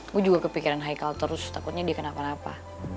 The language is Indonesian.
gue juga kepikiran haikal terus takutnya dia kena kenapa kenapa